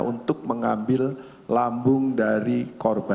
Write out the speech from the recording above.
untuk mengambil lambung dari korban